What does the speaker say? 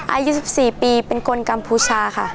อายุ๑๔ปีเป็นคนกัมพูชาค่ะ